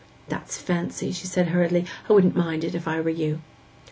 'That's fancy,' she said hurriedly. 'I wouldn't mind it, if I were you.